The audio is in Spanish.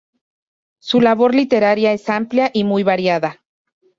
Su labor literaria es amplia y muy variada.